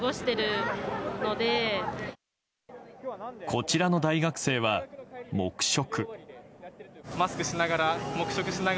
こちらの大学生は黙食。